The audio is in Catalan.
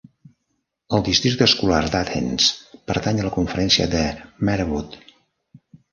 El districte escolar d'Athens pertany a la conferència de Marawood.